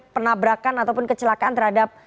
penabrakan ataupun kecelakaan terhadap